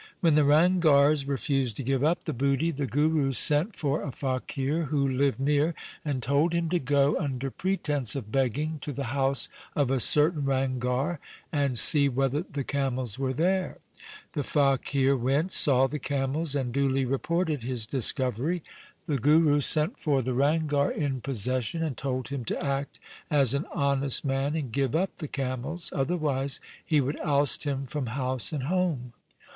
When the Ranghars refused to give up the booty, the Guru sent for a faqir who lived near, 48 THE SIKH RELIGION and told him to go, under pretence of begging, to the house of a certain Ranghar, and see whether the camels were there. The faqir went, saw the camels, and duly reported his discovery. The Guru sent for the Ranghar in possession, and told him to act as an honest man, and give up the camels, otherwise he would oust him from house and home.